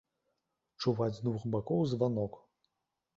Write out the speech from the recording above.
Чуваць з двух бакоў званок.